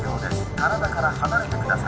体から離れてください